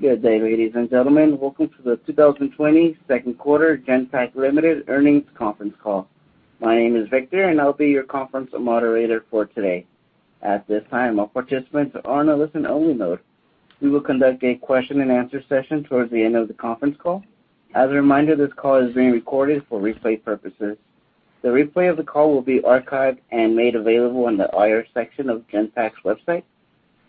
Good day, ladies and gentlemen. Welcome to the 2020 second quarter Genpact Limited earnings conference call. My name is Victor and I'll be your conference moderator for today. At this time, all participants are on a listen only mode. We will conduct a question and answer session towards the end of the conference call. As a reminder, this call is being recorded for replay purposes. The replay of the call will be archived and made available on the IR section of Genpact's website.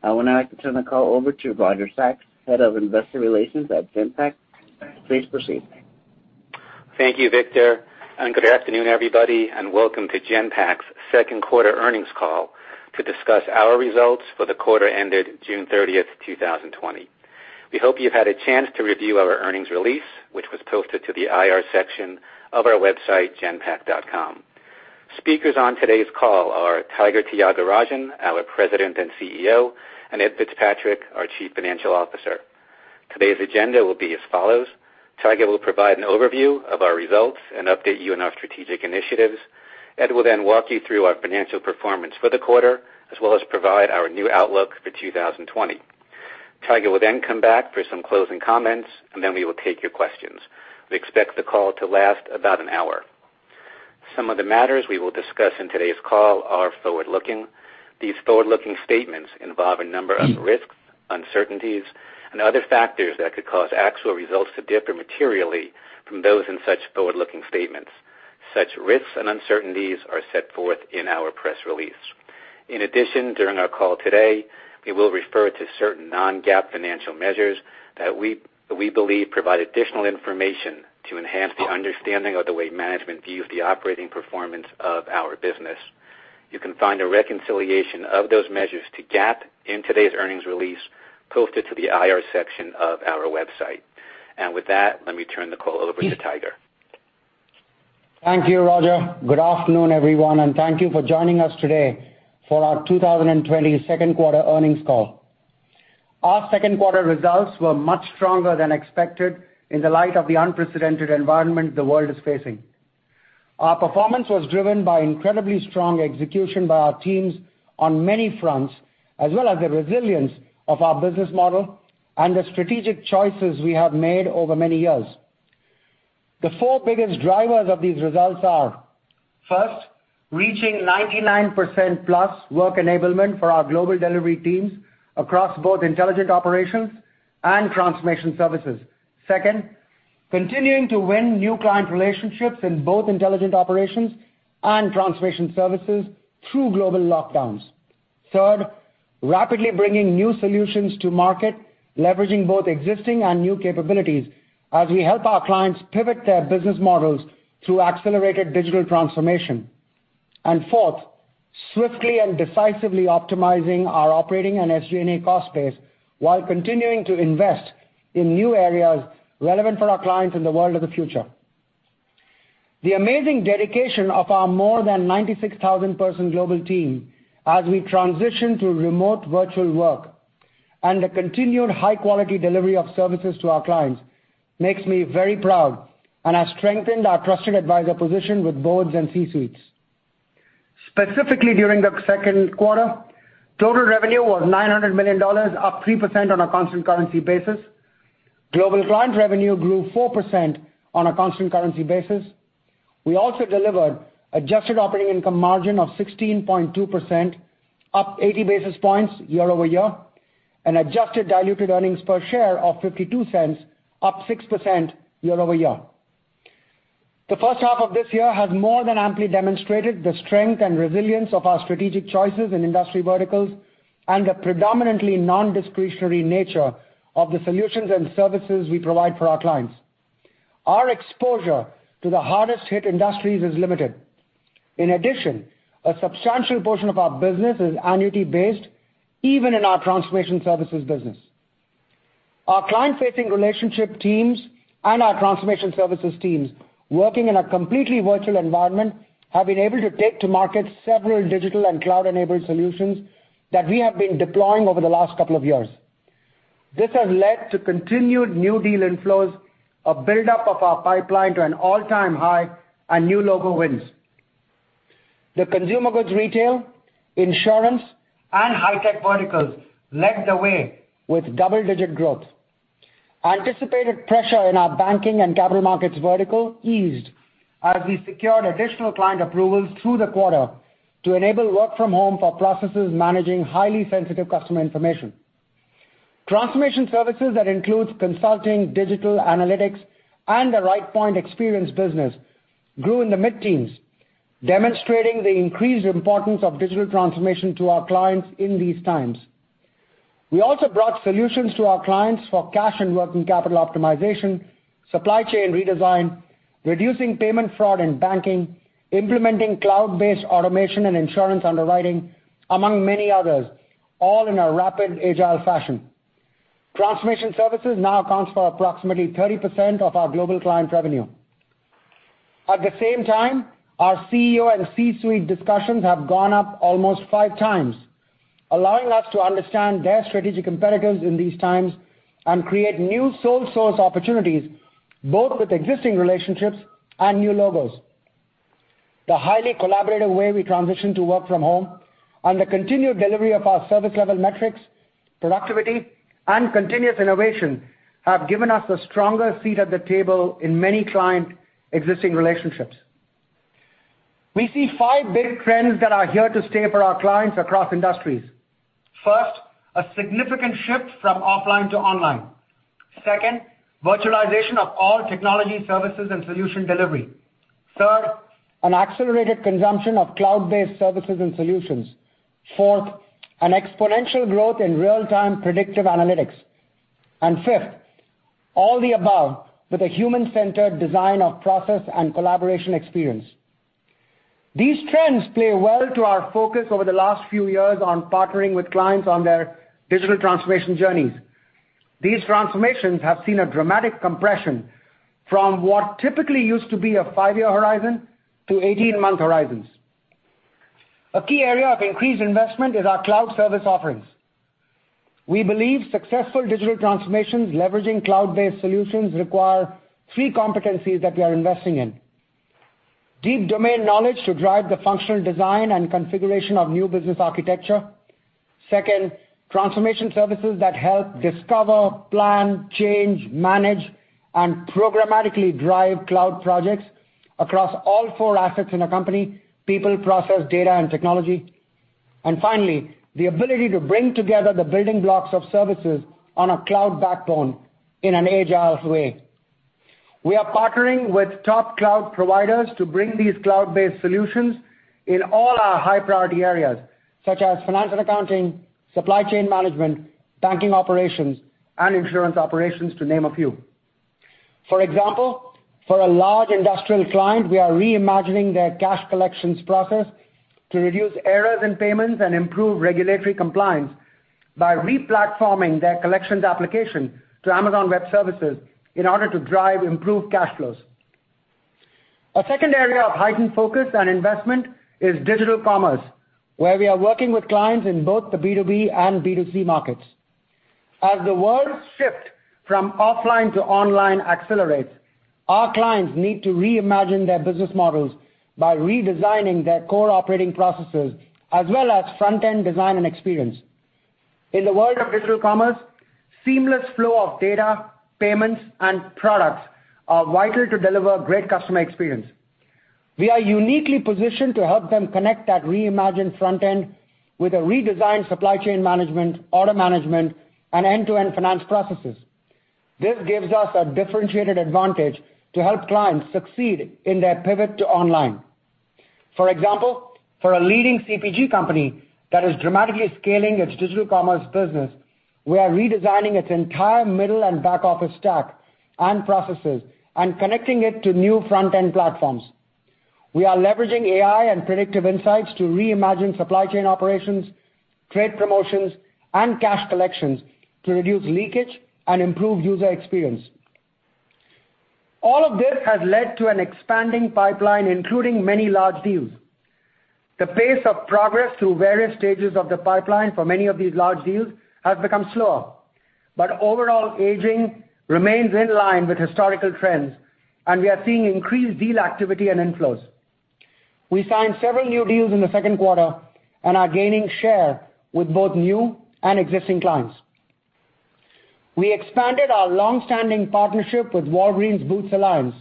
I would now like to turn the call over to Roger Sachs, Head of Investor Relations at Genpact. Please proceed. Thank you, Victor, and good afternoon, everybody, and welcome to Genpact's second quarter earnings call to discuss our results for the quarter ended June 30th, 2020. We hope you've had a chance to review our earnings release, which was posted to the IR section of our website, genpact.com. Speakers on today's call are Tiger Tyagarajan, our President and CEO, and Ed Fitzpatrick, our Chief Financial Officer. Today's agenda will be as follows. Tiger will provide an overview of our results and update you on our strategic initiatives. Ed will then walk you through our financial performance for the quarter, as well as provide our new outlook for 2020. Tiger will come back for some closing comments, and then we will take your questions. We expect the call to last about an hour. Some of the matters we will discuss in today's call are forward-looking. These forward-looking statements involve a number of risks, uncertainties, and other factors that could cause actual results to differ materially from those in such forward-looking statements. Such risks and uncertainties are set forth in our press release. In addition, during our call today, we will refer to certain non-GAAP financial measures that we believe provide additional information to enhance the understanding of the way management views the operating performance of our business. You can find a reconciliation of those measures to GAAP in today's earnings release posted to the IR section of our website. With that, let me turn the call over to Tiger. Thank you, Roger. Good afternoon, everyone, and thank you for joining us today for our 2020 second quarter earnings call. Our second quarter results were much stronger than expected in the light of the unprecedented environment the world is facing. Our performance was driven by incredibly strong execution by our teams on many fronts, as well as the resilience of our business model and the strategic choices we have made over many years. The four biggest drivers of these results are, first, reaching 99% plus work enablement for our global delivery teams across both intelligent operations and transformation services. Second, continuing to win new client relationships in both intelligent operations and transformation services through global lockdowns. Third, rapidly bringing new solutions to market, leveraging both existing and new capabilities as we help our clients pivot their business models through accelerated digital transformation. Fourth, swiftly and decisively optimizing our operating and SG&A cost base while continuing to invest in new areas relevant for our clients in the world of the future. The amazing dedication of our more than 96,000 person global team as we transition to remote virtual work and the continued high quality delivery of services to our clients makes me very proud and has strengthened our trusted advisor position with boards and C-suites. Specifically during the second quarter, total revenue was $900 million, up 3% on a constant currency basis. Global Client revenue grew 4% on a constant currency basis. We also delivered adjusted operating income margin of 16.2%, up 80 basis points year-over-year, and adjusted diluted earnings per share of $0.52, up 6% year-over-year. The first half of this year has more than amply demonstrated the strength and resilience of our strategic choices in industry verticals and the predominantly non-discretionary nature of the solutions and services we provide for our clients. Our exposure to the hardest hit industries is limited. In addition, a substantial portion of our business is annuity based, even in our transformation services business. Our client-facing relationship teams and our transformation services teams working in a completely virtual environment have been able to take to market several digital and cloud-enabled solutions that we have been deploying over the last couple of years. This has led to continued new deal inflows, a buildup of our pipeline to an all-time high, and new logo wins. The consumer goods, retail, insurance, and high-tech verticals led the way with double-digit growth. Anticipated pressure in our banking and capital markets vertical eased as we secured additional client approvals through the quarter to enable work from home for processes managing highly sensitive customer information. Transformation services that includes consulting, digital analytics, and the Rightpoint experience business grew in the mid-teens, demonstrating the increased importance of digital transformation to our clients in these times. We also brought solutions to our clients for cash and working capital optimization, supply chain redesign, reducing payment fraud in banking, implementing cloud-based automation and insurance underwriting, among many others, all in a rapid, agile fashion. Transformation services now accounts for approximately 30% of our global client revenue. At the same time, our CEO and C-suite discussions have gone up almost five times, allowing us to understand their strategic imperatives in these times and create new sole source opportunities both with existing relationships and new logos. The highly collaborative way we transitioned to work from home and the continued delivery of our service level metrics, productivity, and continuous innovation have given us a stronger seat at the table in many client existing relationships. We see five big trends that are here to stay for our clients across industries. First, a significant shift from offline to online. Second, virtualization of all technology services and solution delivery. Third, an accelerated consumption of cloud-based services and solutions. Fourth, an exponential growth in real-time predictive analytics. And fifth, all the above, with a human-centered design of process and collaboration experience. These trends play well to our focus over the last few years on partnering with clients on their digital transformation journeys. These transformations have seen a dramatic compression from what typically used to be a five-year horizon to 18-month horizons. A key area of increased investment is our cloud service offerings. We believe successful digital transformations leveraging cloud-based solutions require three competencies that we are investing in. Deep domain knowledge to drive the functional design and configuration of new business architecture. Second, transformation services that help discover, plan, change, manage, and programmatically drive cloud projects across all four assets in a company, people, process, data, and technology. Finally, the ability to bring together the building blocks of services on a cloud backbone in an agile way. We are partnering with top cloud providers to bring these cloud-based solutions in all our high-priority areas, such as financial accounting, supply chain management, banking operations, and insurance operations, to name a few. For example, for a large industrial client, we are reimagining their cash collections process to reduce errors in payments and improve regulatory compliance by re-platforming their collections application to Amazon Web Services in order to drive improved cash flows. A second area of heightened focus and investment is digital commerce, where we are working with clients in both the B2B and B2C markets. As the world's shift from offline to online accelerates, our clients need to reimagine their business models by redesigning their core operating processes as well as front-end design and experience. In the world of digital commerce, seamless flow of data, payments, and products are vital to deliver great customer experience. We are uniquely positioned to help them connect that reimagined front end with a redesigned supply chain management, order management, and end-to-end finance processes. This gives us a differentiated advantage to help clients succeed in their pivot to online. For example, for a leading CPG company that is dramatically scaling its digital commerce business, we are redesigning its entire middle and back office stack and processes and connecting it to new front-end platforms. We are leveraging AI and predictive insights to reimagine supply chain operations, trade promotions, and cash collections to reduce leakage and improve user experience. All of this has led to an expanding pipeline, including many large deals. The pace of progress through various stages of the pipeline for many of these large deals has become slower, but overall aging remains in line with historical trends, and we are seeing increased deal activity and inflows. We signed several new deals in the second quarter and are gaining share with both new and existing clients. We expanded our long-standing partnership with Walgreens Boots Alliance,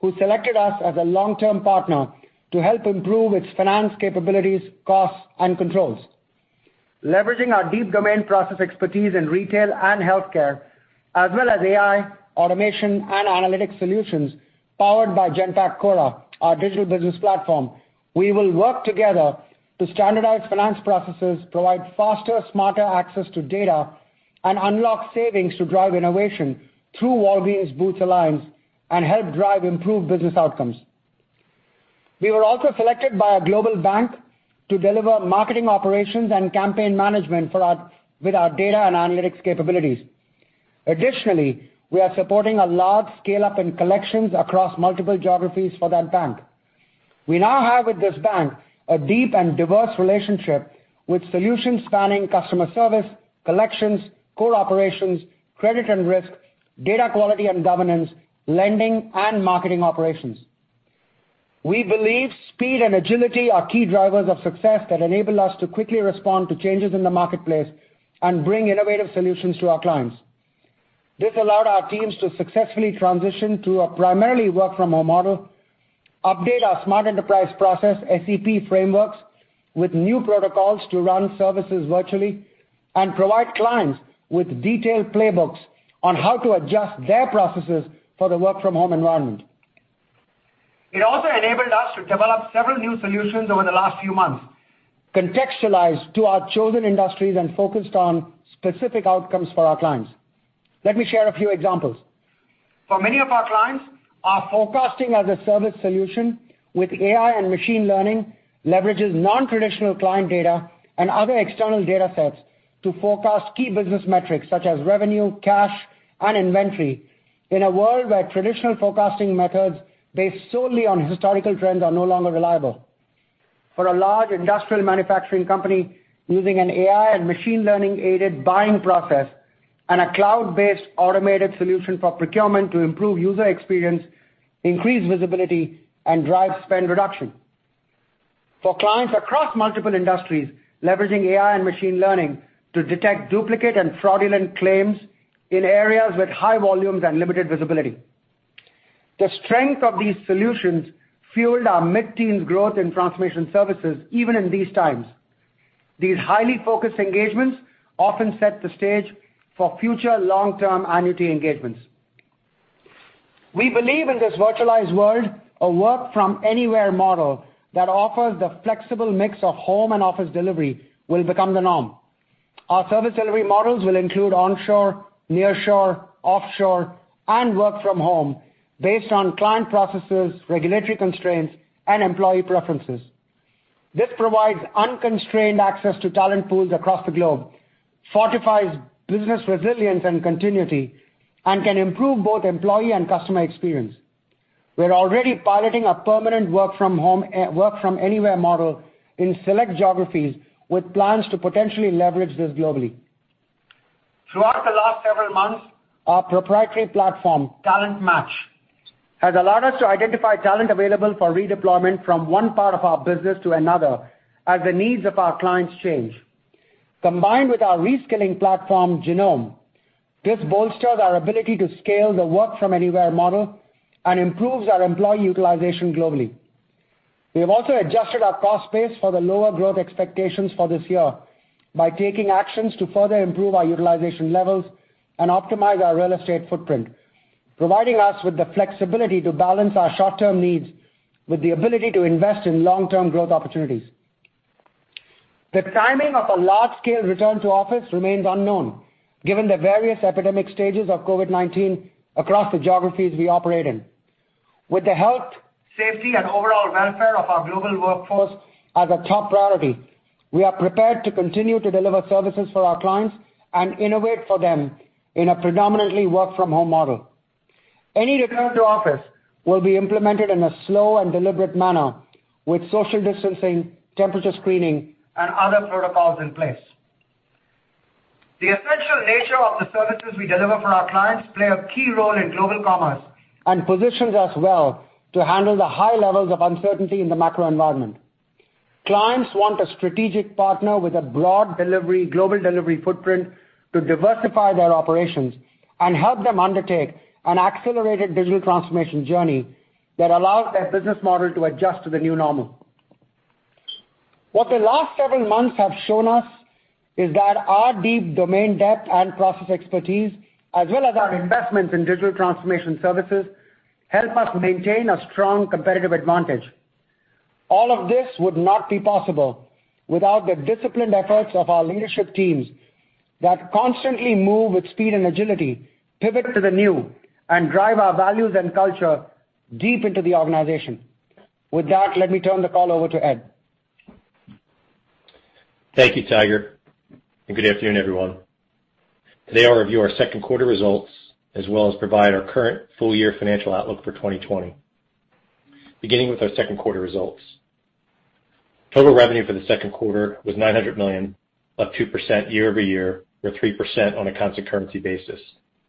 who selected us as a long-term partner to help improve its finance capabilities, costs, and controls. Leveraging our deep domain process expertise in retail and healthcare, as well as AI, automation, and analytic solutions powered by Genpact Cora, our digital business platform, we will work together to standardize finance processes, provide faster, smarter access to data, and unlock savings to drive innovation through Walgreens Boots Alliance and help drive improved business outcomes. We were also selected by a global bank to deliver marketing operations and campaign management with our data and analytics capabilities. Additionally, we are supporting a large scale-up in collections across multiple geographies for that bank. We now have with this bank a deep and diverse relationship with solutions spanning customer service, collections, core operations, credit and risk, data quality and governance, lending, and marketing operations. We believe speed and agility are key drivers of success that enable us to quickly respond to changes in the marketplace and bring innovative solutions to our clients. This allowed our teams to successfully transition to a primarily work-from-home model, update our Smart Enterprise Processes, SEP, frameworks with new protocols to run services virtually, and provide clients with detailed playbooks on how to adjust their processes for the work-from-home environment. It also enabled us to develop several new solutions over the last few months, contextualized to our chosen industries and focused on specific outcomes for our clients. Let me share a few examples. For many of our clients, our forecasting-as-a-service solution with AI and machine learning leverages non-traditional client data and other external data sets to forecast key business metrics such as revenue, cash, and inventory in a world where traditional forecasting methods based solely on historical trends are no longer reliable. For a large industrial manufacturing company using an AI and machine learning-aided buying process and a cloud-based automated solution for procurement to improve user experience, increase visibility, and drive spend reduction. For clients across multiple industries, leveraging AI and machine learning to detect duplicate and fraudulent claims in areas with high volumes and limited visibility. The strength of these solutions fueled our mid-teens growth in transformation services, even in these times. These highly focused engagements often set the stage for future long-term annuity engagements. We believe in this virtualized world, a work-from-anywhere model that offers the flexible mix of home and office delivery will become the norm. Our service delivery models will include onshore, nearshore, offshore, and work from home based on client processes, regulatory constraints, and employee preferences. This provides unconstrained access to talent pools across the globe, fortifies business resilience and continuity, and can improve both employee and customer experience. We are already piloting a permanent work-from-anywhere model in select geographies, with plans to potentially leverage this globally. Throughout the last several months, our proprietary platform, TalentMatch, has allowed us to identify talent available for redeployment from one part of our business to another as the needs of our clients change. Combined with our reskilling platform, Genome, this bolsters our ability to scale the work-from-anywhere model and improves our employee utilization globally. We have also adjusted our cost base for the lower growth expectations for this year by taking actions to further improve our utilization levels and optimize our real estate footprint, providing us with the flexibility to balance our short-term needs with the ability to invest in long-term growth opportunities. The timing of a large-scale return to office remains unknown given the various epidemic stages of COVID-19 across the geographies we operate in. With the health, safety, and overall welfare of our global workforce as a top priority, we are prepared to continue to deliver services for our clients and innovate for them in a predominantly work-from-home model. Any return to office will be implemented in a slow and deliberate manner with social distancing, temperature screening, and other protocols in place. The essential nature of the services we deliver for our clients play a key role in global commerce and positions us well to handle the high levels of uncertainty in the macro environment. Clients want a strategic partner with a broad global delivery footprint to diversify their operations and help them undertake an accelerated digital transformation journey that allows their business model to adjust to the new normal. What the last several months have shown us is that our deep domain depth and process expertise, as well as our investments in digital transformation services, help us maintain a strong competitive advantage. All of this would not be possible without the disciplined efforts of our leadership teams that constantly move with speed and agility, pivot to the new, and drive our values and culture deep into the organization. With that, let me turn the call over to Ed. Thank you, Tiger, and good afternoon, everyone. Today, I'll review our second quarter results as well as provide our current full-year financial outlook for 2020. Beginning with our second quarter results. Total revenue for the second quarter was $900 million, up 2% year-over-year, or 3% on a constant currency basis,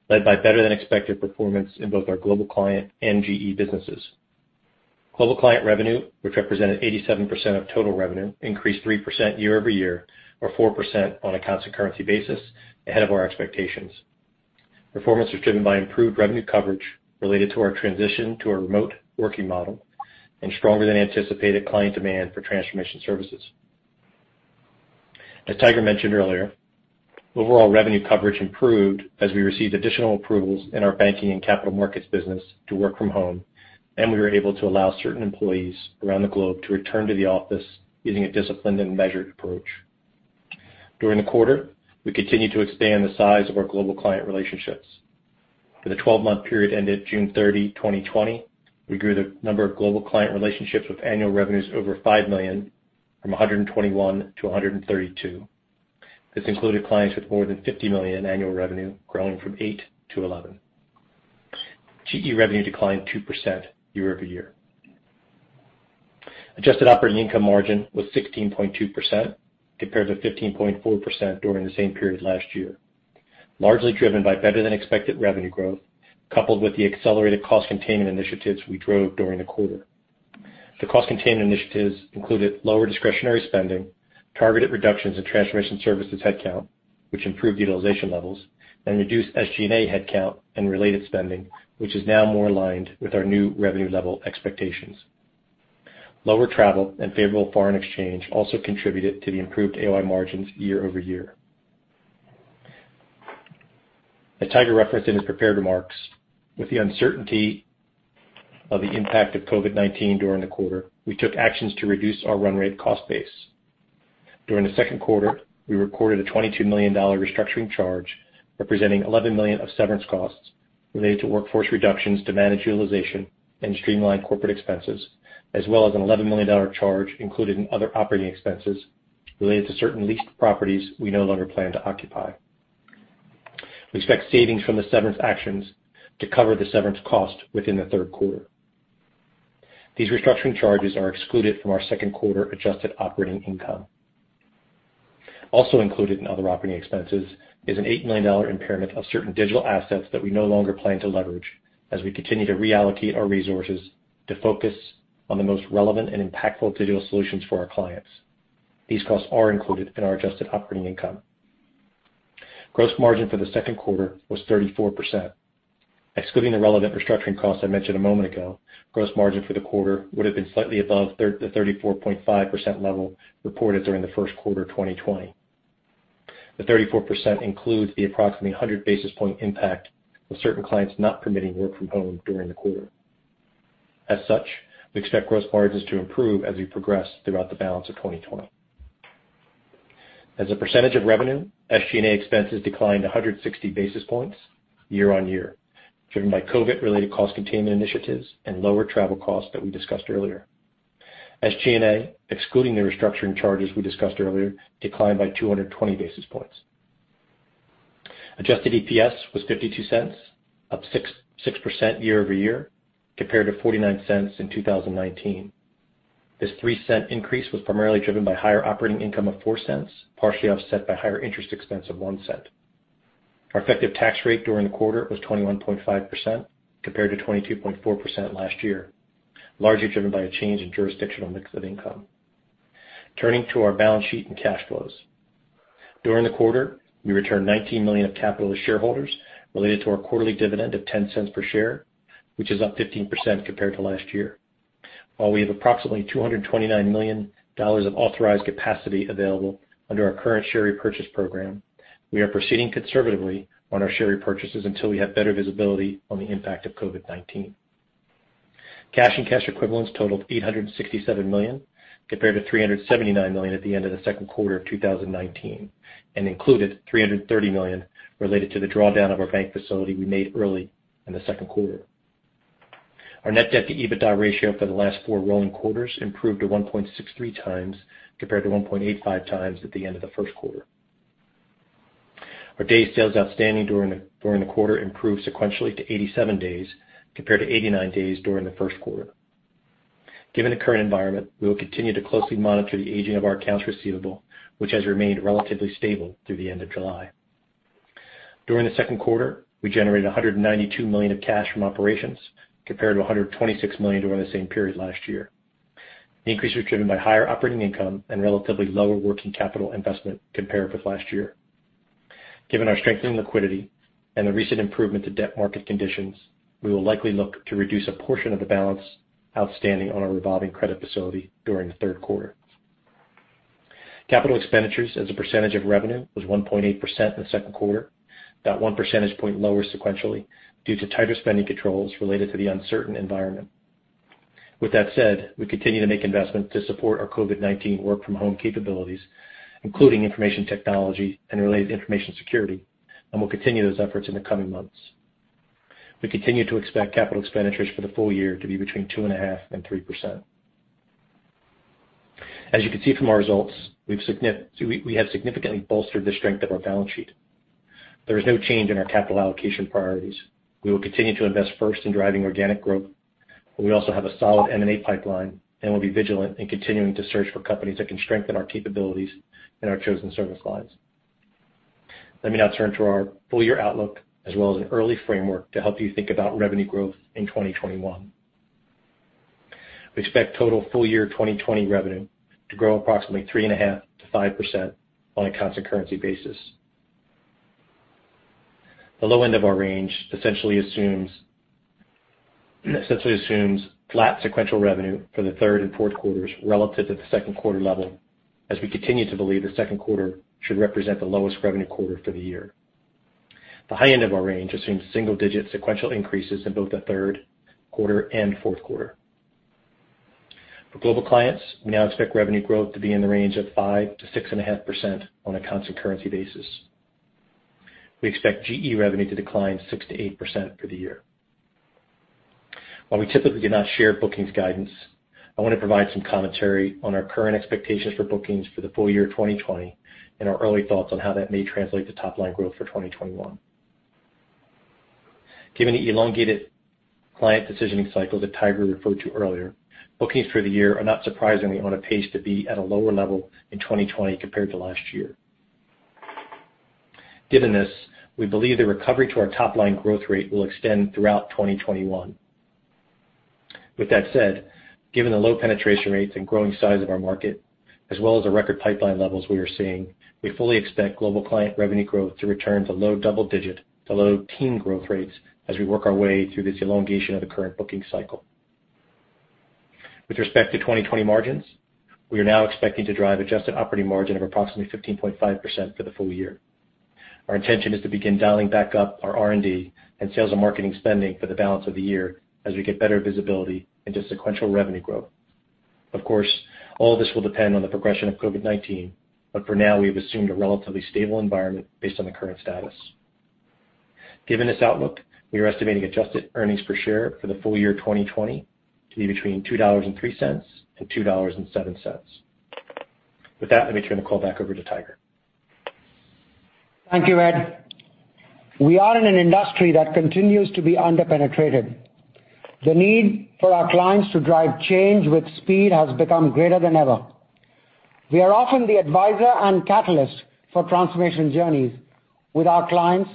led by better than expected performance in both our Global Client and GE businesses. Global Client revenue, which represented 87% of total revenue, increased 3% year-over-year, or 4% on a constant currency basis, ahead of our expectations. Performance was driven by improved revenue coverage related to our transition to a remote working model and stronger than anticipated client demand for transformation services. As Tiger mentioned earlier, overall revenue coverage improved as we received additional approvals in our banking and capital markets business to work from home, and we were able to allow certain employees around the globe to return to the office using a disciplined and measured approach. During the quarter, we continued to expand the size of our Global Client relationships. For the 12-month period ended June 30, 2020, we grew the number of Global Client relationships with annual revenues over $5 million from 121 to 132. This included clients with more than $50 million annual revenue growing from eight to 11. GE revenue declined 2% year-over-year. Adjusted Operating Income margin was 16.2% compared to 15.4% during the same period last year, largely driven by better than expected revenue growth, coupled with the accelerated cost containment initiatives we drove during the quarter. The cost containment initiatives included lower discretionary spending, targeted reductions in transformation services headcount, which improved utilization levels, and reduced SG&A headcount and related spending, which is now more aligned with our new revenue level expectations. Lower travel and favorable foreign exchange also contributed to the improved AOI margins year-over-year. As Tiger referenced in his prepared remarks, with the uncertainty of the impact of COVID-19 during the quarter, we took actions to reduce our run rate cost base. During the second quarter, we recorded a $22 million restructuring charge, representing $11 million of severance costs related to workforce reductions to manage utilization and streamline corporate expenses, as well as an $11 million charge included in other operating expenses related to certain leased properties we no longer plan to occupy. We expect savings from the severance actions to cover the severance cost within the third quarter. These restructuring charges are excluded from our second quarter adjusted operating income. Included in other operating expenses is an $8 million impairment of certain digital assets that we no longer plan to leverage as we continue to reallocate our resources to focus on the most relevant and impactful digital solutions for our clients. These costs are included in our adjusted operating income. Gross margin for the second quarter was 34%. Excluding the relevant restructuring costs I mentioned a moment ago, gross margin for the quarter would have been slightly above the 34.5% level reported during the first quarter 2020. The 34% includes the approximately 100 basis point impact of certain clients not permitting work from home during the quarter. We expect gross margins to improve as we progress throughout the balance of 2020. As a percentage of revenue, SG&A expenses declined 160 basis points year on year, driven by COVID-related cost containment initiatives and lower travel costs that we discussed earlier. SG&A, excluding the restructuring charges we discussed earlier, declined by 220 basis points. Adjusted EPS was $0.52, up 6% year-over-year, compared to $0.49 in 2019. This $0.03 increase was primarily driven by higher operating income of $0.04, partially offset by higher interest expense of $0.01. Our effective tax rate during the quarter was 21.5%, compared to 22.4% last year, largely driven by a change in jurisdictional mix of income. Turning to our balance sheet and cash flows. During the quarter, we returned $19 million of capital to shareholders related to our quarterly dividend of $0.10 per share, which is up 15% compared to last year. While we have approximately $229 million of authorized capacity available under our current share repurchase program, we are proceeding conservatively on our share repurchases until we have better visibility on the impact of COVID-19. Cash and cash equivalents totaled $867 million, compared to $379 million at the end of the second quarter of 2019, and included $330 million related to the drawdown of our bank facility we made early in the second quarter. Our net debt to EBITDA ratio for the last four rolling quarters improved to 1.63 times, compared to 1.85 times at the end of the first quarter. Our days sales outstanding during the quarter improved sequentially to 87 days, compared to 89 days during the first quarter. Given the current environment, we will continue to closely monitor the aging of our accounts receivable, which has remained relatively stable through the end of July. During the second quarter, we generated $192 million of cash from operations, compared to $126 million during the same period last year. The increase was driven by higher operating income and relatively lower working capital investment compared with last year. Given our strengthening liquidity and the recent improvement to debt market conditions, we will likely look to reduce a portion of the balance outstanding on our revolving credit facility during the third quarter. Capital expenditures as a percentage of revenue was 1.8% in the second quarter, about one percentage point lower sequentially due to tighter spending controls related to the uncertain environment. With that said, we continue to make investments to support our COVID-19 work from home capabilities, including information technology and related information security, and will continue those efforts in the coming months. We continue to expect capital expenditures for the full year to be between 2.5% and 3%. As you can see from our results, we have significantly bolstered the strength of our balance sheet. There is no change in our capital allocation priorities. We will continue to invest first in driving organic growth, but we also have a solid M&A pipeline and will be vigilant in continuing to search for companies that can strengthen our capabilities in our chosen service lines. Let me now turn to our full year outlook as well as an early framework to help you think about revenue growth in 2021. We expect total full year 2020 revenue to grow approximately 3.5%-5% on a constant currency basis. The low end of our range essentially assumes flat sequential revenue for the third and fourth quarters relative to the second quarter level, as we continue to believe the second quarter should represent the lowest revenue quarter for the year. The high end of our range assumes single digit sequential increases in both the third quarter and fourth quarter. For Global Clients, we now expect revenue growth to be in the range of 5%-6.5% on a constant currency basis. We expect GE revenue to decline 6%-8% for the year. While we typically do not share bookings guidance, I want to provide some commentary on our current expectations for bookings for the full year 2020 and our early thoughts on how that may translate to top-line growth for 2021. Given the elongated client decisioning cycle that Tiger referred to earlier, bookings for the year are not surprisingly on a pace to be at a lower level in 2020 compared to last year. Given this, we believe the recovery to our top-line growth rate will extend throughout 2021. With that said, given the low penetration rates and growing size of our market, as well as the record pipeline levels we are seeing, we fully expect Global Client revenue growth to return to low double-digit to low-teen growth rates as we work our way through this elongation of the current booking cycle. With respect to 2020 margins, we are now expecting to drive adjusted operating margin of approximately 15.5% for the full year. Our intention is to begin dialing back up our R&D and sales and marketing spending for the balance of the year as we get better visibility into sequential revenue growth. Of course, all this will depend on the progression of COVID-19, but for now we have assumed a relatively stable environment based on the current status. Given this outlook, we are estimating adjusted earnings per share for the full year 2020 to be between $2.03 and $2.07. With that, let me turn the call back over to Tiger. Thank you, Ed. We are in an industry that continues to be under-penetrated. The need for our clients to drive change with speed has become greater than ever. We are often the advisor and catalyst for transformation journeys with our clients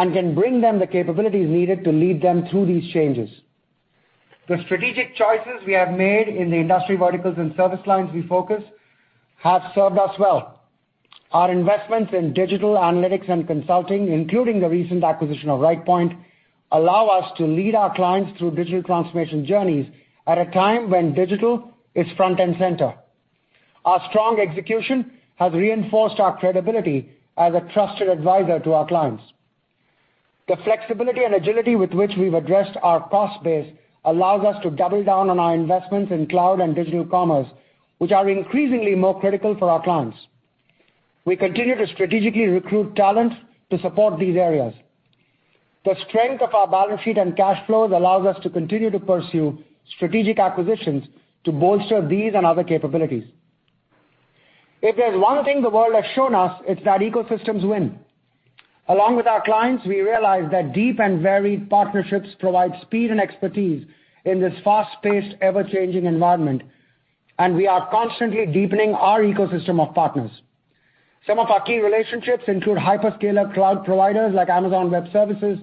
and can bring them the capabilities needed to lead them through these changes. The strategic choices we have made in the industry verticals and service lines we focus have served us well. Our investments in digital analytics and consulting, including the recent acquisition of Rightpoint, allow us to lead our clients through digital transformation journeys at a time when digital is front and center. Our strong execution has reinforced our credibility as a trusted advisor to our clients. The flexibility and agility with which we've addressed our cost base allows us to double down on our investments in cloud and digital commerce, which are increasingly more critical for our clients. We continue to strategically recruit talent to support these areas. The strength of our balance sheet and cash flows allows us to continue to pursue strategic acquisitions to bolster these and other capabilities. If there's one thing the world has shown us, it's that ecosystems win. Along with our clients, we realize that deep and varied partnerships provide speed and expertise in this fast-paced, ever-changing environment, and we are constantly deepening our ecosystem of partners. Some of our key relationships include hyperscaler cloud providers like Amazon Web Services,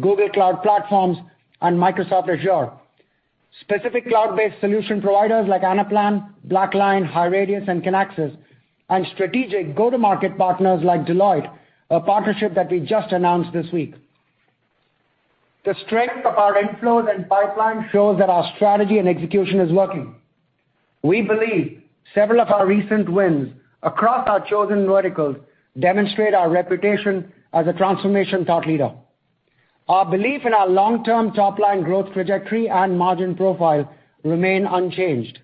Google Cloud Platform, and Microsoft Azure, specific cloud-based solution providers like Anaplan, BlackLine, HighRadius, and Kinaxis, and strategic go-to-market partners like Deloitte, a partnership that we just announced this week. The strength of our inflows and pipeline shows that our strategy and execution is working. We believe several of our recent wins across our chosen verticals demonstrate our reputation as a transformation thought leader. Our belief in our long-term top-line growth trajectory and margin profile remain unchanged.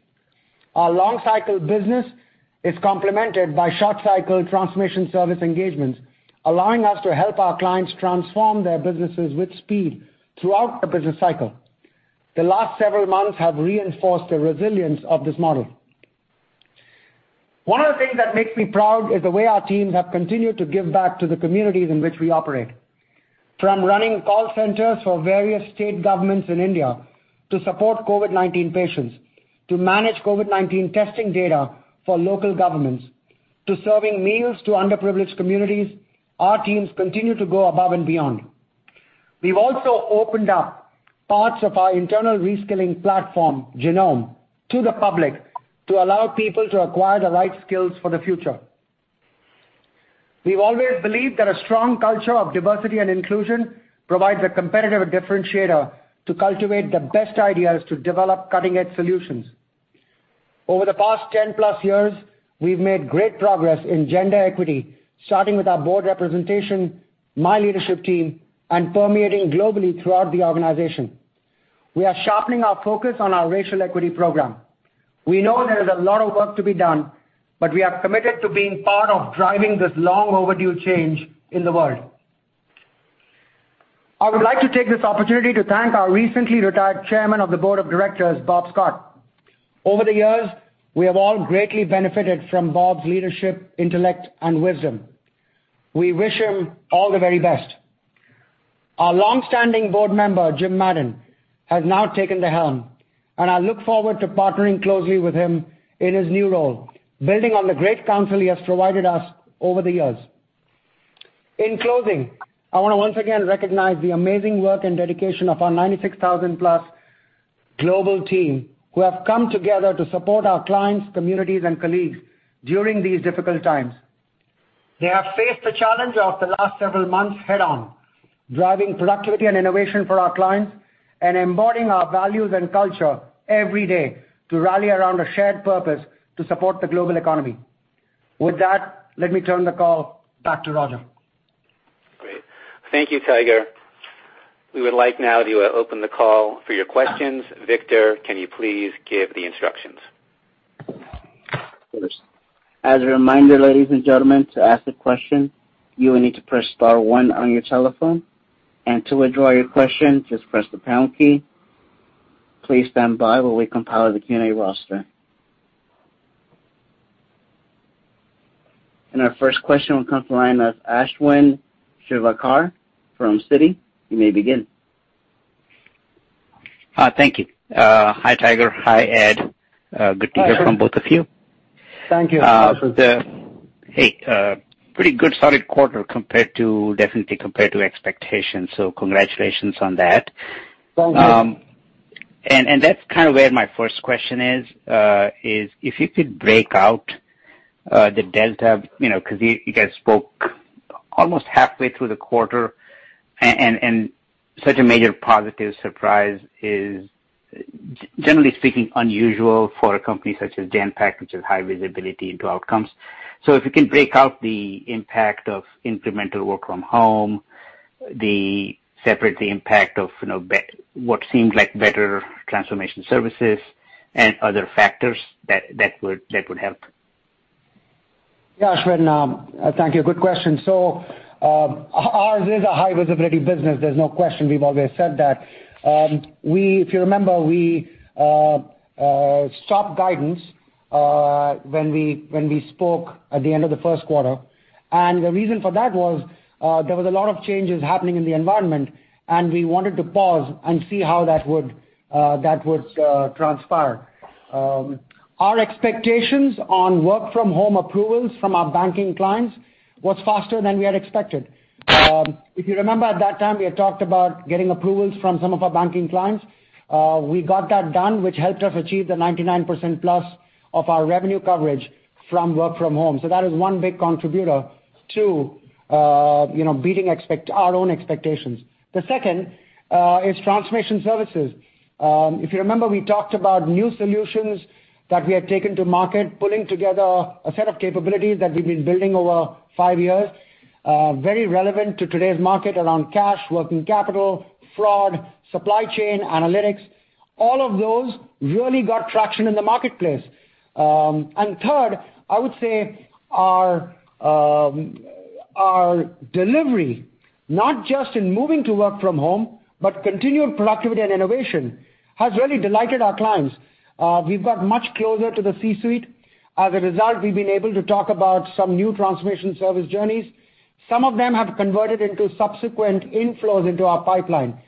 Our long-cycle business is complemented by short-cycle transformation service engagements, allowing us to help our clients transform their businesses with speed throughout the business cycle. The last several months have reinforced the resilience of this model. One of the things that makes me proud is the way our teams have continued to give back to the communities in which we operate. From running call centers for various state governments in India to support COVID-19 patients, to manage COVID-19 testing data for local governments, to serving meals to underprivileged communities, our teams continue to go above and beyond. We've also opened up parts of our internal reskilling platform, Genome, to the public to allow people to acquire the right skills for the future. We've always believed that a strong culture of diversity and inclusion provides a competitive differentiator to cultivate the best ideas to develop cutting-edge solutions. Over the past 10-plus years, we've made great progress in gender equity, starting with our Board of Directors representation, my leadership team, and permeating globally throughout the organization. We are sharpening our focus on our racial equity program. We know there is a lot of work to be done, but we are committed to being part of driving this long overdue change in the world. I would like to take this opportunity to thank our recently retired Chairman of the Board of Directors, Bob Scott. Over the years, we have all greatly benefited from Bob's leadership, intellect, and wisdom. We wish him all the very best. Our longstanding board member, Jim Madden, has now taken the helm, and I look forward to partnering closely with him in his new role, building on the great counsel he has provided us over the years. In closing, I want to once again recognize the amazing work and dedication of our 96,000-plus global team who have come together to support our clients, communities, and colleagues during these difficult times. They have faced the challenge of the last several months head on, driving productivity and innovation for our clients, and embodying our values and culture every day to rally around a shared purpose to support the global economy. With that, let me turn the call back to Roger. Great. Thank you, Tiger. We would like now to open the call for your questions. Victor, can you please give the instructions? Of course. As a reminder, ladies and gentlemen, to ask a question, you will need to press star one on your telephone, and to withdraw your question, just press the pound key. Please stand by while we compile the Q&A roster. Our first question will come from the line of Ashwin Shirvaikar from Citi. You may begin. Hi, thank you. Hi, Tiger. Hi, Ed. Good to hear from both of you. Thank you. Hey, pretty good solid quarter definitely compared to expectations. Congratulations on that. Well, good. That's kind of where my first question is, if you could break out the delta, because you guys spoke almost halfway through the quarter, and such a major positive surprise is, generally speaking, unusual for a company such as Genpact, which has high visibility into outcomes. So if you can break out the impact of incremental work from home, separately impact of what seemed like better transformation services and other factors, that would help. Ashwin. Thank you. Good question. Ours is a high visibility business, there's no question. We've always said that. If you remember, we stopped guidance when we spoke at the end of the first quarter, and the reason for that was, there was a lot of changes happening in the environment, and we wanted to pause and see how that would transpire. Our expectations on work from home approvals from our banking clients was faster than we had expected. If you remember at that time, we had talked about getting approvals from some of our banking clients. We got that done, which helped us achieve the 99%+ of our revenue coverage from work from home. That is one big contributor to beating our own expectations. The second is transformation services. If you remember, we talked about new solutions that we had taken to market, pulling together a set of capabilities that we've been building over five years. Very relevant to today's market around cash, working capital, fraud, supply chain, analytics. All of those really got traction in the marketplace. Third, I would say our delivery, not just in moving to work from home, but continued productivity and innovation, has really delighted our clients. We've got much closer to the C-suite. As a result, we've been able to talk about some new transformation service journeys. Some of them have converted into subsequent inflows into our pipeline.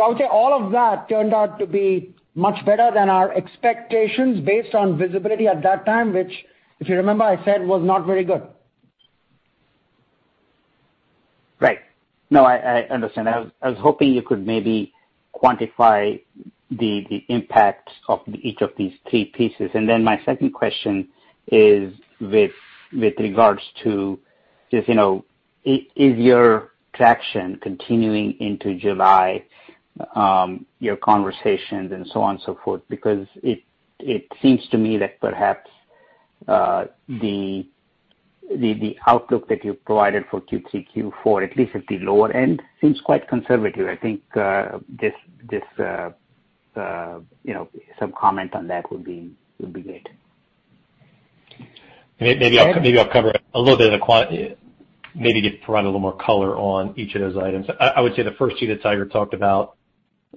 I would say all of that turned out to be much better than our expectations based on visibility at that time, which, if you remember I said, was not very good. Right. No, I understand. I was hoping you could maybe quantify the impact of each of these three pieces. My second question is with regards to if, is your traction continuing into July, your conversations and so on and so forth, because it seems to me that perhaps, the outlook that you've provided for Q3, Q4, at least at the lower end, seems quite conservative. I think some comment on that would be great. Maybe I'll cover a little bit. Maybe provide a little more color on each of those items. I would say the first two that Tiger talked about,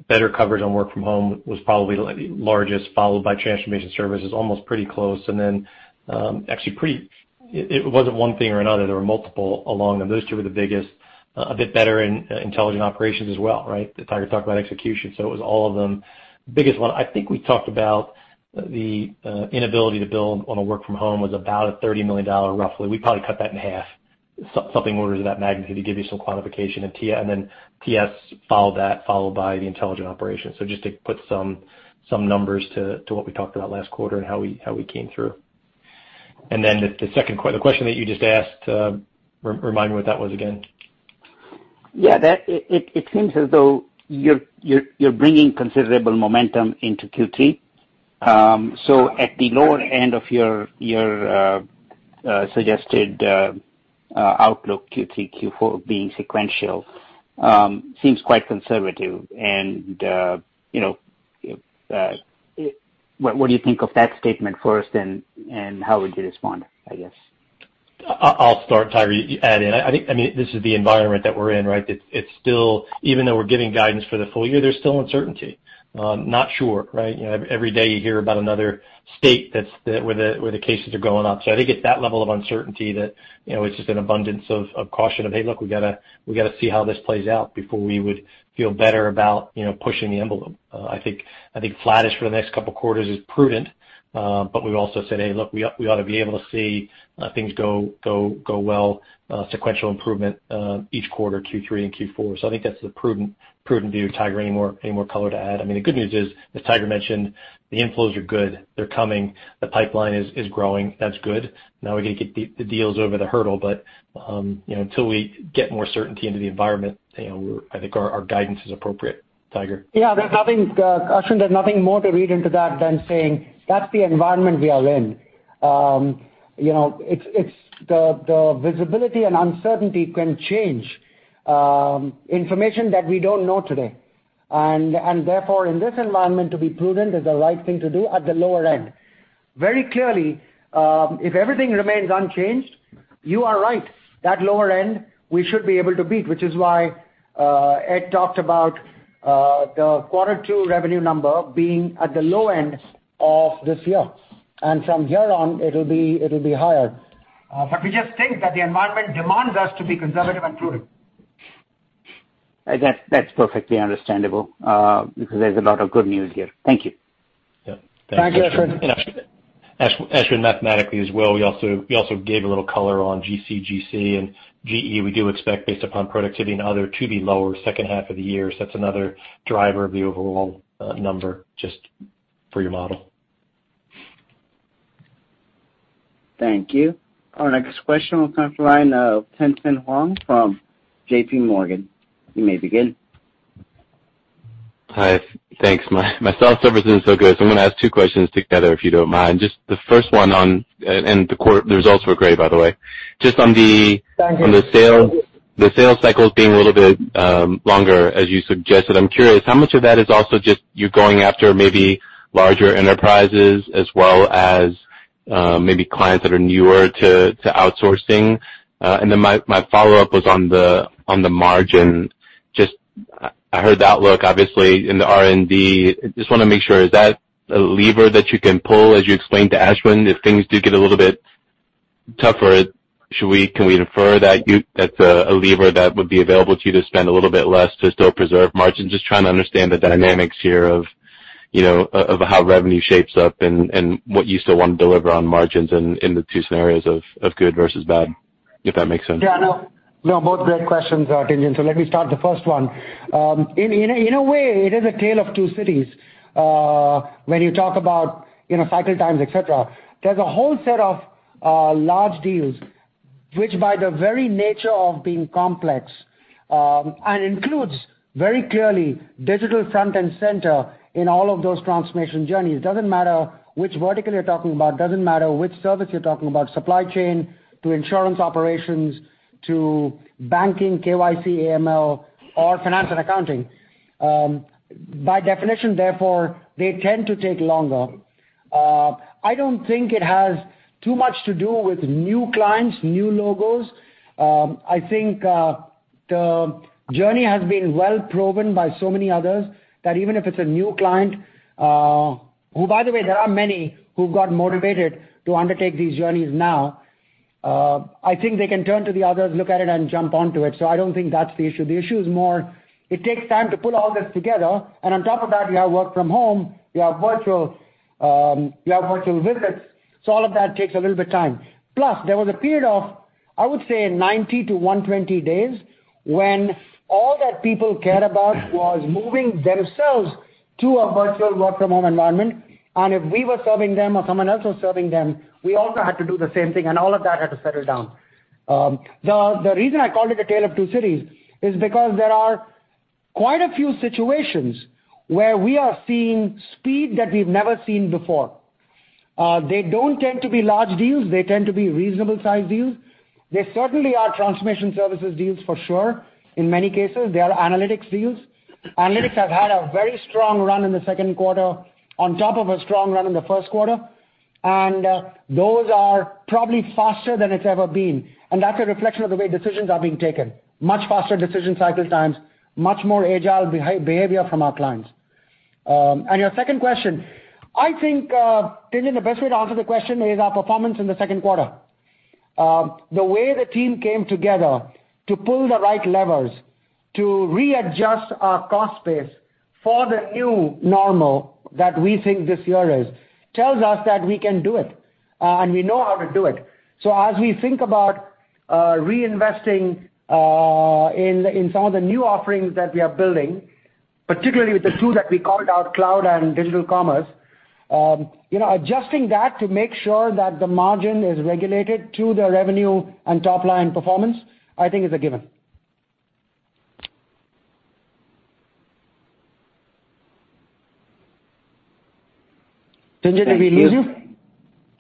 better coverage on work from home was probably the largest, followed by transformation services, almost pretty close. Actually it wasn't one thing or another. There were multiple along, and those two were the biggest. A bit better in intelligent operations as well, right? Tiger talked about execution, it was all of them. Biggest one, I think we talked about the inability to bill on a work from home was about a $30 million, roughly. We probably cut that in half. Something orders of that magnitude to give you some quantification. TS followed that, followed by the intelligent operation. Just to put some numbers to what we talked about last quarter and how we came through. The question that you just asked, remind me what that was again. Yeah. It seems as though you're bringing considerable momentum into Q3. At the lower end of your suggested outlook, Q3, Q4 being sequential, seems quite conservative. What do you think of that statement first, and how would you respond, I guess? I'll start, Tiger, you add in. This is the environment that we're in, right? Even though we're giving guidance for the full year, there's still uncertainty. Not sure, right? Every day you hear about another state where the cases are going up. I think it's that level of uncertainty that, it's just an abundance of caution of, hey, look, we've got to see how this plays out before we would feel better about pushing the envelope. I think flattish for the next couple of quarters is prudent, but we've also said, hey, look, we ought to be able to see things go well, sequential improvement, each quarter, Q3 and Q4. I think that's the prudent view. Tiger, any more color to add? The good news is, as Tiger mentioned, the inflows are good. They're coming. The pipeline is growing. That's good. We got to get the deals over the hurdle, but until we get more certainty into the environment, I think our guidance is appropriate. Tiger? Yeah. Ashwin, there's nothing more to read into that than saying that's the environment we are in. The visibility and uncertainty can change, information that we don't know today. Therefore, in this environment, to be prudent is the right thing to do at the lower end. Very clearly, if everything remains unchanged, you are right. That lower end, we should be able to beat, which is why Ed talked about the quarter two revenue number being at the low end of this year. From here on, it'll be higher. We just think that the environment demands us to be conservative and prudent. That's perfectly understandable, because there's a lot of good news here. Thank you. Yeah. Thanks, Ashwin. Ashwin, mathematically as well, we also gave a little color on GC and GE, we do expect based upon productivity and other, to be lower second half of the year. That's another driver of the overall number just for your model. Thank you. Our next question will come from the line of Tien-Tsin Huang from JPMorgan. You may begin. Hi. Thanks. My cell service isn't so good, so I'm going to ask two questions together, if you don't mind. The results were great, by the way. Thank you. on the sales cycles being a little bit longer, as you suggested. I'm curious, how much of that is also just you're going after maybe larger enterprises as well as maybe clients that are newer to outsourcing? My follow-up was on the margin. I heard the outlook, obviously in the R&D. I want to make sure, is that a lever that you can pull, as you explained to Ashwin, if things do get a little bit tougher? Can we infer that that's a lever that would be available to you to spend a little bit less to still preserve margin? Trying to understand the dynamics here of how revenue shapes up and what you still want to deliver on margins in the two scenarios of good versus bad, if that makes sense. Yeah, no. Both great questions, Tien-Tsin. Let me start the first one. In a way, it is a tale of two cities. When you talk about cycle times, et cetera, there's a whole set of large deals, which by the very nature of being complex, and includes very clearly digital front and center in all of those transformation journeys. Doesn't matter which vertical you're talking about, doesn't matter which service you're talking about, supply chain to insurance operations, to banking, KYC, AML, or financial accounting. By definition, therefore, they tend to take longer. I don't think it has too much to do with new clients, new logos. I think the journey has been well-proven by so many others, that even if it's a new client, who by the way, there are many who've got motivated to undertake these journeys now. I think they can turn to the others, look at it, and jump onto it. I don't think that's the issue. The issue is more, it takes time to pull all this together, and on top of that, we have work from home, we have virtual visits. All of that takes a little bit of time. Plus, there was a period of, I would say, 90-120 days, when all that people cared about was moving themselves to a virtual work from home environment. If we were serving them or someone else was serving them, we also had to do the same thing, and all of that had to settle down. The reason I called it a tale of two cities is because there are quite a few situations where we are seeing speed that we've never seen before. They don't tend to be large deals. They tend to be reasonable-sized deals. They certainly are transformation services deals for sure. In many cases, they are analytics deals. Analytics have had a very strong run in the second quarter on top of a strong run in the first quarter. Those are probably faster than it's ever been. That's a reflection of the way decisions are being taken. Much faster decision cycle times, much more agile behavior from our clients. Your second question, I think, Tien-Tsin, the best way to answer the question is our performance in the second quarter. The way the team came together to pull the right levers, to readjust our cost base for the new normal that we think this year is, tells us that we can do it, and we know how to do it. As we think about reinvesting in some of the new offerings that we are building, particularly with the two that we called out, cloud and digital commerce. Adjusting that to make sure that the margin is regulated to the revenue and top-line performance, I think is a given. Tien-Tsin, did we lose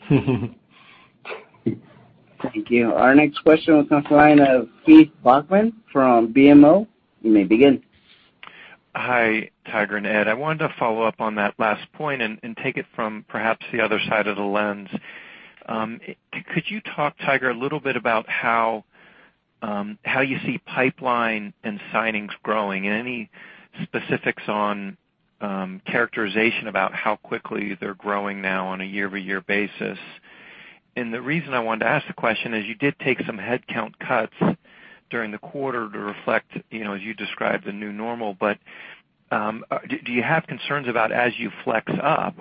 you? Thank you. Our next question comes from the line of Keith Bachman from BMO. You may begin. Hi, Tiger and Ed. I wanted to follow up on that last point and take it from perhaps the other side of the lens. Could you talk, Tiger, a little bit about how you see pipeline and signings growing, and any specifics on characterization about how quickly they're growing now on a year-over-year basis? The reason I wanted to ask the question is you did take some headcount cuts during the quarter to reflect, as you described, the new normal. Do you have concerns about as you flex up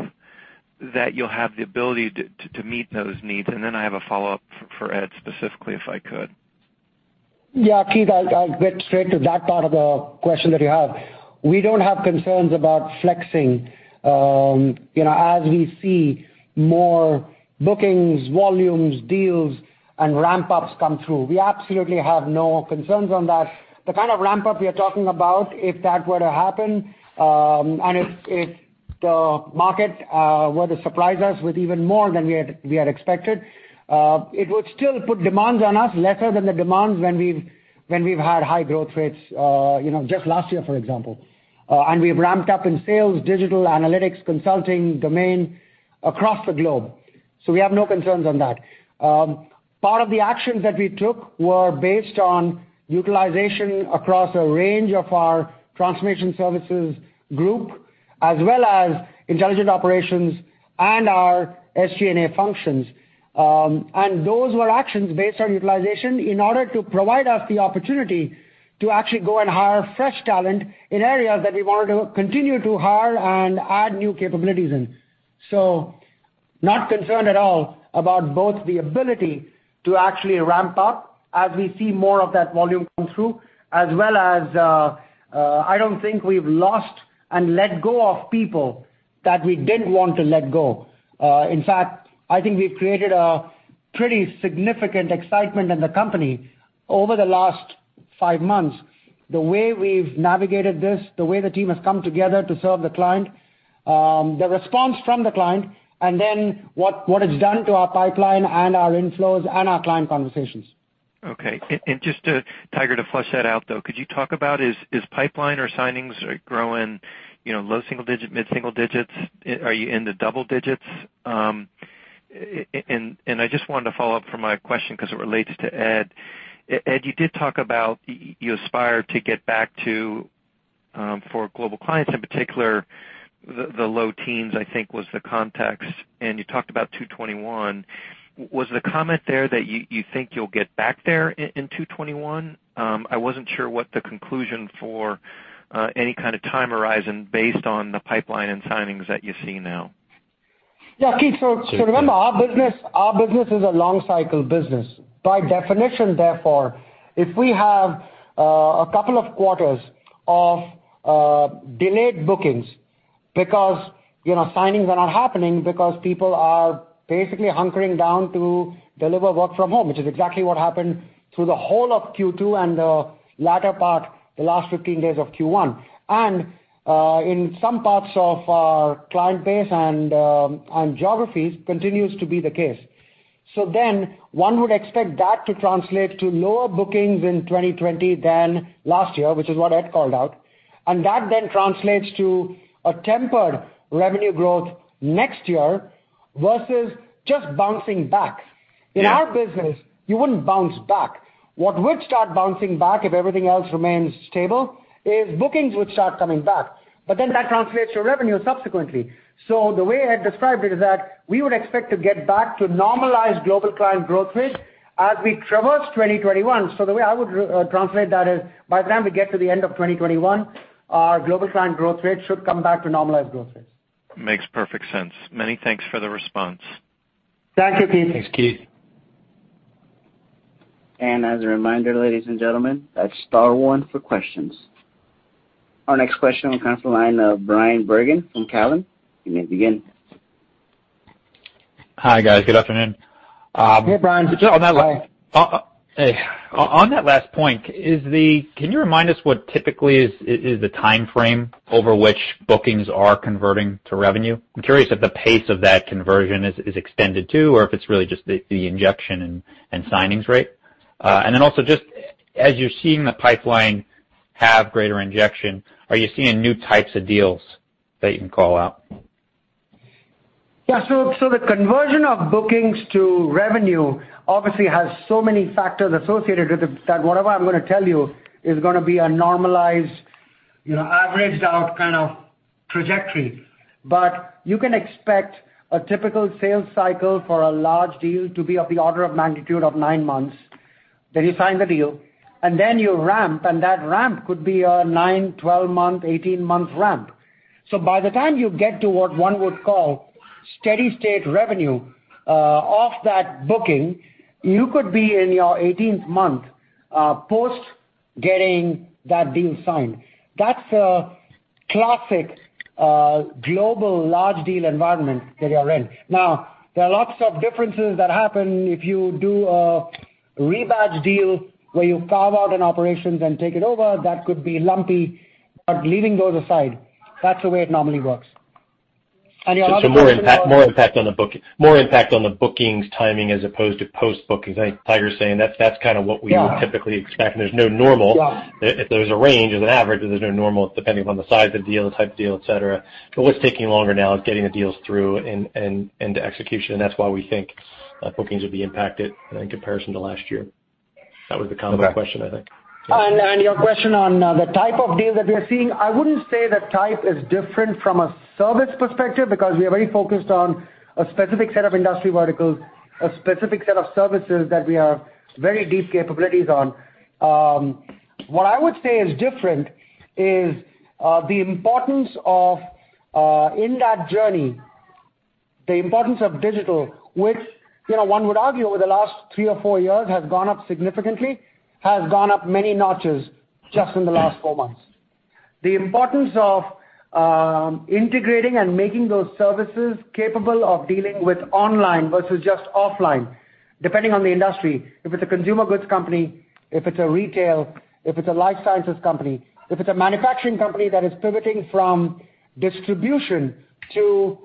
that you'll have the ability to meet those needs? I have a follow-up for Ed specifically, if I could. Yeah, Keith, I'll get straight to that part of the question that you have. We don't have concerns about flexing as we see more bookings, volumes, deals, and ramp-ups come through. We absolutely have no concerns on that. The kind of ramp-up we are talking about, if that were to happen, and if the market were to surprise us with even more than we had expected, it would still put demands on us, lesser than the demands when we've had high growth rates, just last year, for example. We've ramped up in sales, digital analytics, consulting, domain, across the globe. We have no concerns on that. Part of the actions that we took were based on utilization across a range of our transformation services group, as well as intelligent operations and our SG&A functions. Those were actions based on utilization in order to provide us the opportunity to actually go and hire fresh talent in areas that we wanted to continue to hire and add new capabilities in. Not concerned at all about both the ability to actually ramp up as we see more of that volume come through, as well as, I don't think we've lost and let go of people that we didn't want to let go. In fact, I think we've created a pretty significant excitement in the company over the last five months. The way we've navigated this, the way the team has come together to serve the client, the response from the client, what it's done to our pipeline and our inflows and our client conversations. Okay. Just to, Tiger, to flesh that out, though, could you talk about, is pipeline or signings growing low single digit, mid single digits? Are you in the double digits? I just wanted to follow up for my question because it relates to Ed. Ed, you did talk about, you aspire to get back to, for Global Clients, in particular, the low teens, I think, was the context, and you talked about 2021. Was the comment there that you think you'll get back there in 2021? I wasn't sure what the conclusion for any kind of time horizon based on the pipeline and signings that you see now. Yeah, Keith. Remember, our business is a long cycle business. By definition, therefore, if we have a couple of quarters of delayed bookings because signings are not happening because people are basically hunkering down to deliver work from home, which is exactly what happened through the whole of Q2 and the latter part, the last 15 days of Q1. In some parts of our client base and geographies continues to be the case. One would expect that to translate to lower bookings in 2020 than last year, which is what Ed called out. That then translates to a tempered revenue growth next year versus just bouncing back. Yeah. In our business, you wouldn't bounce back. What would start bouncing back if everything else remains stable is bookings would start coming back. That translates to revenue subsequently. The way Ed described it is that we would expect to get back to normalized Global Client growth rate as we traverse 2021. The way I would translate that is by the time we get to the end of 2021, our Global Client growth rate should come back to normalized growth rates. Makes perfect sense. Many thanks for the response. Thank you, Keith. Thanks, Keith. As a reminder, ladies and gentlemen, that's star one for questions. Our next question will come from the line of Bryan Bergin from Cowen. You may begin. Hi, guys. Good afternoon. Hey, Bryan. On that last point, can you remind us what typically is the timeframe over which bookings are converting to revenue? I'm curious if the pace of that conversion is extended too, or if it's really just the injection and signings rate. Also just as you're seeing the pipeline have greater injection, are you seeing new types of deals that you can call out? The conversion of bookings to revenue obviously has so many factors associated with it that whatever I'm going to tell you is going to be a normalized, averaged out kind of trajectory. You can expect a typical sales cycle for a large deal to be of the order of magnitude of nine months, then you sign the deal, and then you ramp, and that ramp could be a nine, 12 month, 18-month ramp. By the time you get to what one would call steady state revenue, off that booking, you could be in your 18th month, post getting that deal signed. That's a classic, global large deal environment that you're in. There are lots of differences that happen if you do a rebadge deal where you carve out an operations and take it over, that could be lumpy. Leaving those aside, that's the way it normally works. Your last question was? More impact on the bookings timing as opposed to post-bookings. I think Tiger's saying. Yeah would typically expect. There's no normal. Yeah. If there's a range, there's an average, but there's no normal depending upon the size of the deal, the type of deal, et cetera. What's taking longer now is getting the deals through and to execution, and that's why we think bookings would be impacted in comparison to last year. That was the comment on the question, I think. Your question on the type of deal that we are seeing, I wouldn't say the type is different from a service perspective because we are very focused on a specific set of industry verticals, a specific set of services that we have very deep capabilities on. What I would say is different is the importance of, in that journey, the importance of digital, which one would argue over the last three or four years, has gone up significantly, has gone up many notches just in the last four months. The importance of integrating and making those services capable of dealing with online versus just offline, depending on the industry. If it's a consumer goods company, if it's a retail, if it's a life sciences company, if it's a manufacturing company that is pivoting from distribution to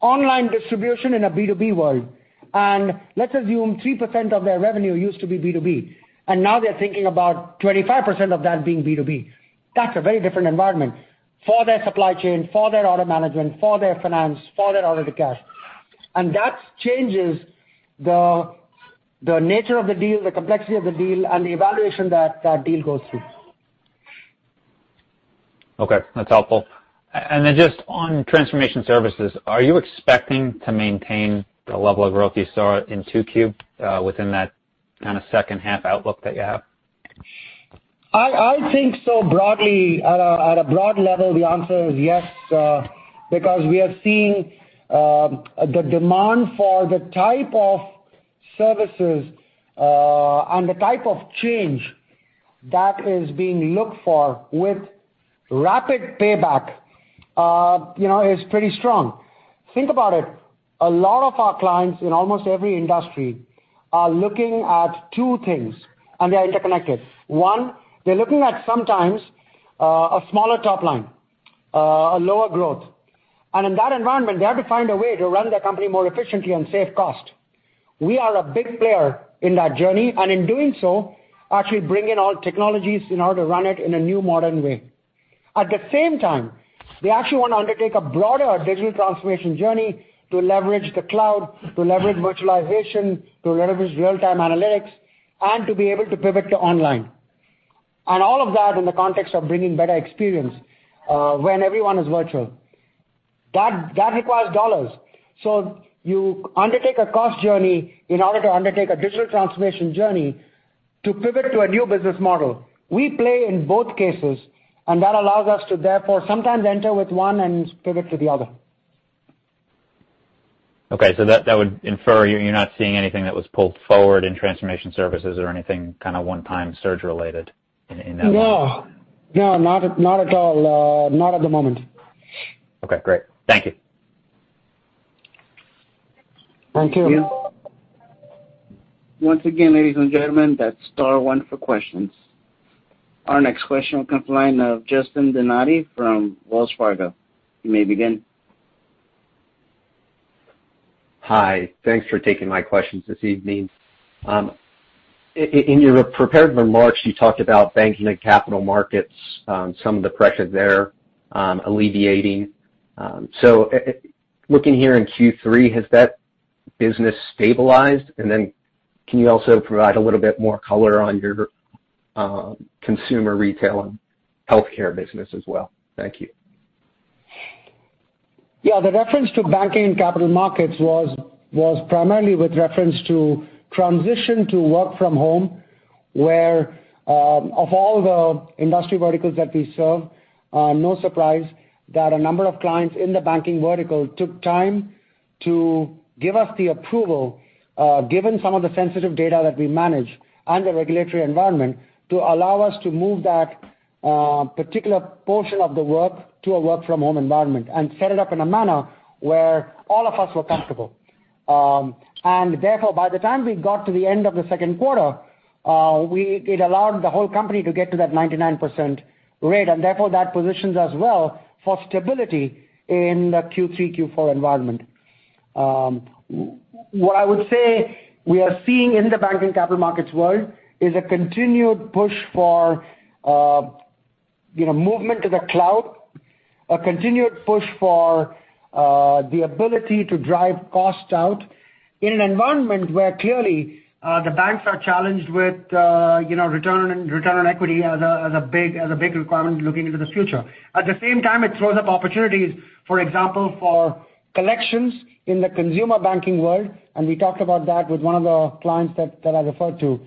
online distribution in a B2B world, let's assume 3% of their revenue used to be B2B, and now they're thinking about 25% of that being B2B. That's a very different environment for their supply chain, for their order management, for their finance, for their order to cash. That changes the nature of the deal, the complexity of the deal, and the evaluation that that deal goes through. Okay. That's helpful. Just on transformation services, are you expecting to maintain the level of growth you saw in 2Q within that kind of second half outlook that you have? I think so. At a broad level, the answer is yes, because we are seeing the demand for the type of services, and the type of change that is being looked for with rapid payback, is pretty strong. Think about it. A lot of our clients in almost every industry are looking at two things, and they're interconnected. One, they're looking at sometimes, a smaller top line, a lower growth. In that environment, they have to find a way to run their company more efficiently and save cost. We are a big player in that journey, and in doing so, actually bring in all technologies in order to run it in a new, modern way. At the same time, they actually want to undertake a broader digital transformation journey to leverage the cloud, to leverage virtualization, to leverage real-time analytics, and to be able to pivot to online. All of that in the context of bringing better experience, when everyone is virtual. That requires dollars. You undertake a cost journey in order to undertake a digital transformation journey to pivot to a new business model. We play in both cases, that allows us to therefore sometimes enter with one and pivot to the other. Okay, that would infer you're not seeing anything that was pulled forward in transformation services or anything one-time surge related in that regard. No. Not at all. Not at the moment. Okay, great. Thank you. Thank you. Once again, ladies and gentlemen, that is star one for questions. Our next question comes from the line of Justin Donati from Wells Fargo. You may begin. Hi. Thanks for taking my questions this evening. In your prepared remarks, you talked about banking and capital markets, some of the pressures there, alleviating. Looking here in Q3, has that business stabilized? Can you also provide a little bit more color on your consumer retail and healthcare business as well? Thank you. The reference to banking and capital markets was primarily with reference to transition to work from home, where, of all the industry verticals that we serve, no surprise that a number of clients in the banking vertical took time to give us the approval, given some of the sensitive data that we manage and the regulatory environment, to allow us to move that particular portion of the work to a work from home environment and set it up in a manner where all of us were comfortable. By the time we got to the end of the second quarter, it allowed the whole company to get to that 99% rate, and therefore that positions us well for stability in the Q3, Q4 environment. What I would say we are seeing in the banking capital markets world is a continued push for movement to the cloud, a continued push for the ability to drive cost out in an environment where clearly, the banks are challenged with return on equity as a big requirement looking into the future. At the same time, it throws up opportunities, for example, for collections in the consumer banking world, and we talked about that with one of our clients that I referred to.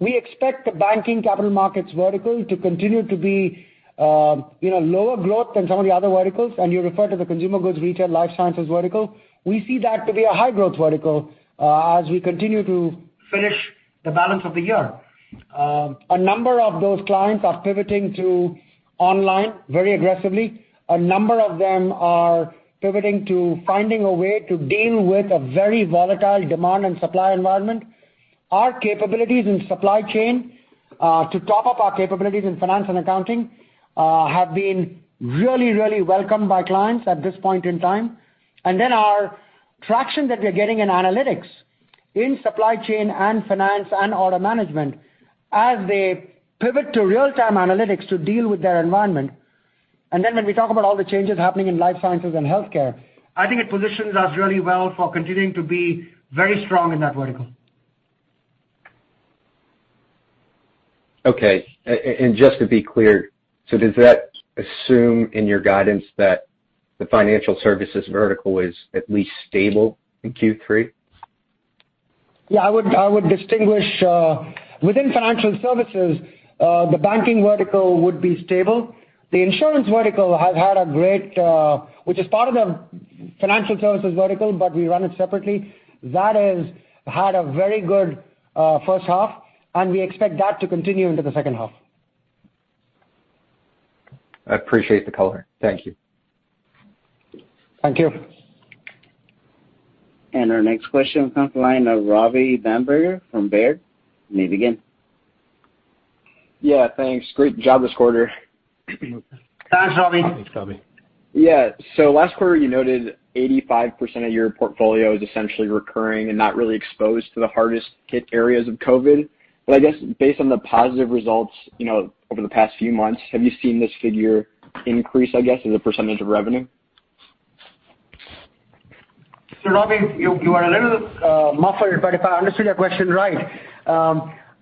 We expect the banking capital markets vertical to continue to be lower growth than some of the other verticals. You refer to the consumer goods, retail, life sciences vertical. We see that to be a high-growth vertical as we continue to finish the balance of the year. A number of those clients are pivoting to online very aggressively. A number of them are pivoting to finding a way to deal with a very volatile demand and supply environment. Our capabilities in supply chain, to top up our capabilities in finance and accounting, have been really welcomed by clients at this point in time. Our traction that we're getting in analytics, in supply chain and finance and order management, as they pivot to real-time analytics to deal with their environment. When we talk about all the changes happening in life sciences and healthcare, I think it positions us really well for continuing to be very strong in that vertical. Okay. Just to be clear, does that assume in your guidance that the financial services vertical is at least stable in Q3? Yeah, I would distinguish, within financial services, the banking vertical would be stable. The insurance vertical, which is part of the financial services vertical, but we run it separately, that has had a very good first half, and we expect that to continue into the second half. I appreciate the color. Thank you. Thank you. Our next question comes from the line of Robby Bamberger from Baird. You may begin. Yeah, thanks. Great job this quarter. Thanks, Robby. Thanks, Robby. Last quarter, you noted 85% of your portfolio is essentially recurring and not really exposed to the hardest hit areas of COVID. I guess based on the positive results over the past few months, have you seen this figure increase, I guess, as a % of revenue? Robby, you are a little muffled, but if I understood your question right,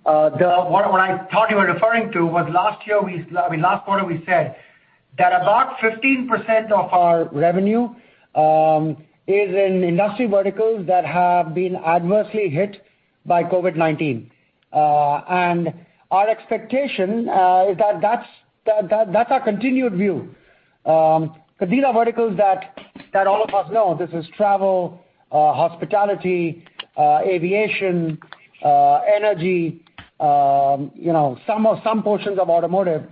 what I thought you were referring to was last quarter we said that about 15% of our revenue is in industry verticals that have been adversely hit by COVID-19. Our expectation, that's our continued view. These are verticals that all of us know. This is travel, hospitality, aviation, energy, some portions of automotive.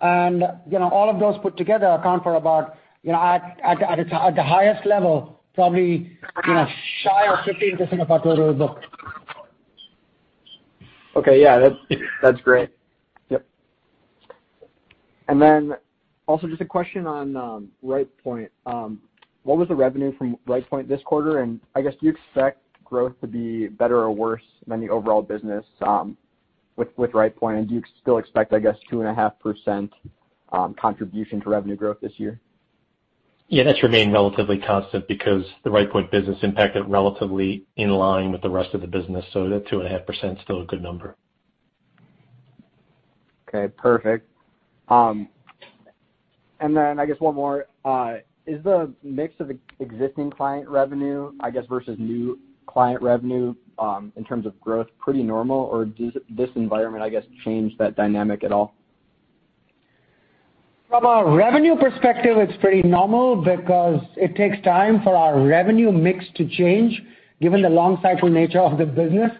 All of those put together account for about, at the highest level, probably shy of 15% of our total book. Okay. Yeah. That's great. Yep. Also just a question on RightPoint. What was the revenue from RightPoint this quarter, and I guess, do you expect growth to be better or worse than the overall business with RightPoint? Do you still expect, I guess, 2.5% contribution to revenue growth this year? That's remained relatively constant because the Rightpoint business impacted relatively in line with the rest of the business. That 2.5% is still a good number. Okay, perfect. Then I guess one more. Is the mix of existing client revenue, I guess, versus new client revenue, in terms of growth, pretty normal? Does this environment, I guess, change that dynamic at all? From a revenue perspective, it's pretty normal because it takes time for our revenue mix to change, given the long cycle nature of the business.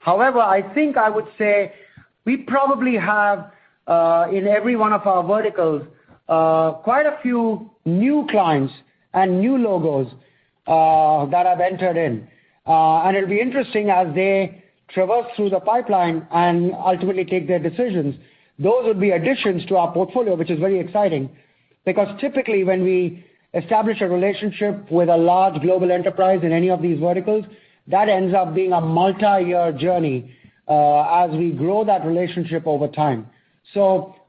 However, I think I would say we probably have, in every one of our verticals, quite a few new clients and new logos that have entered in. It'll be interesting as they traverse through the pipeline and ultimately take their decisions. Those would be additions to our portfolio, which is very exciting. Because typically when we establish a relationship with a large global enterprise in any of these verticals, that ends up being a multi-year journey as we grow that relationship over time.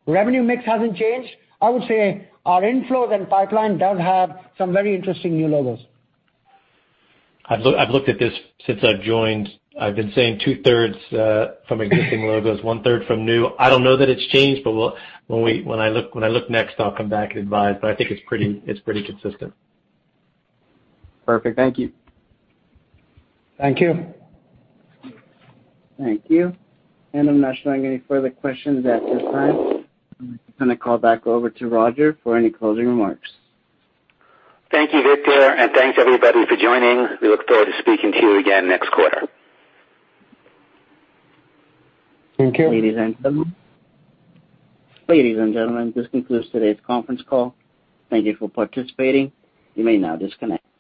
Revenue mix hasn't changed. I would say our inflows and pipeline does have some very interesting new logos. I've looked at this since I've joined. I've been saying two-thirds from existing logos, one-third from new. I don't know that it's changed, but when I look next, I'll come back and advise. I think it's pretty consistent. Perfect. Thank you. Thank you. Thank you. I'm not showing any further questions at this time. I'm going to turn the call back over to Roger for any closing remarks. Thank you, Victor, and thanks, everybody, for joining. We look forward to speaking to you again next quarter. Thank you. Ladies and gentlemen, this concludes today's conference call. Thank you for participating. You may now disconnect.